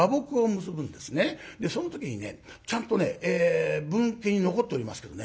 その時にねちゃんとね文献に残っておりますけどね